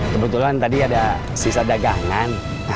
kebetulan tadi ada sisa dagangan